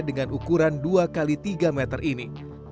dengan ukuran dua x tiga meter ini